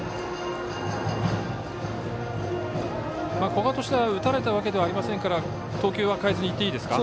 古賀としては打たれたわけではありませんから投球は変えずにいっていいですか。